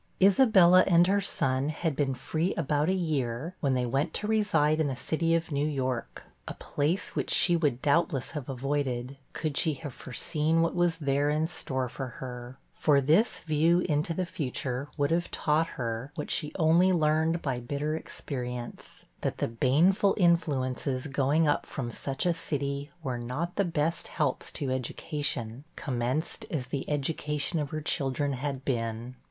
Isabella and her son had been free about a year, when they went to reside in the city of New York; a place which she would doubtless have avoided, could she have foreseen what was there in store for her; for this view into the future would have taught her what she only learned by bitter experience, that the baneful influences going up from such a city were not the best helps to education, commenced as the education of her children had been.